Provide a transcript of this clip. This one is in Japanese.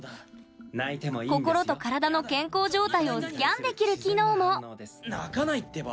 心と体の健康状態をスキャンできる機能も泣かないってば。